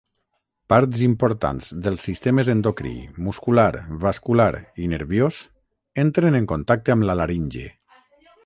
Parts importants dels sistemes endocrí, muscular, vascular i nerviós entren en contacte amb la laringe.